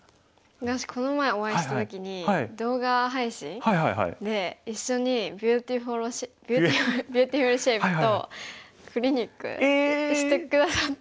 私この前お会いした時に動画配信で一緒にビューティフロ「ＢｅａｕｔｉｆｕｌＳｈａｐｅ」と「クリニック」して下さって。